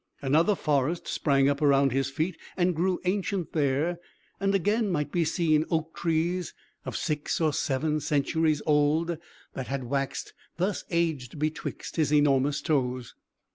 Another forest sprang up around his feet, and grew ancient there; and again might be seen oak trees, of six or seven centuries old, that had waxed thus aged betwixt his enormous toes.